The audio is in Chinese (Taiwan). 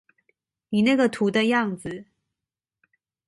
你那個圖的樣子